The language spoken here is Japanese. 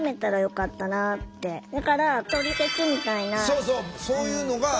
そうそうそういうのが特に。